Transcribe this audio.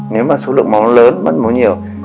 nếu mà số lượng máu lớn mất mối nhiều